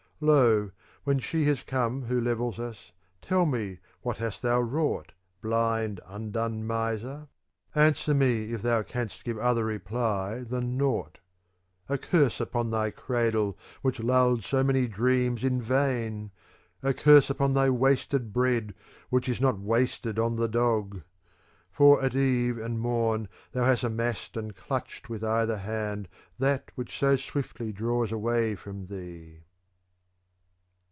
[72^ Lo, when she ^ has come who levels us^ Tell me what hast thou wrought, blind undone miser? Answer me, if thou canst give other reply than nought. A curse upon thy cradle which lulled so many dreams in vain ! A curse upon thy wasted bread which is not wasted on the dog ! For at eve and morn thou hast amassed and clutched with either hand that which so swiftly draws away from thee.